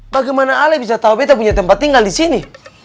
bagaimana ale bisa tau beto punya tempat tinggal disini